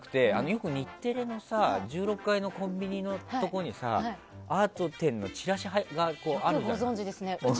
よく日テレの１６階のコンビニのところにアート展のチラシがあるじゃない。